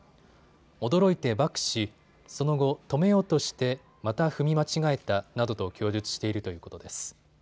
驚いてバックし、その後、止めようとしてまた踏み間違えたなどと供述しているということです。